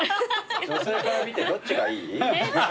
女性から見てどっちがいい？